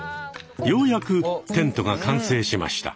ようやくテントが完成しました。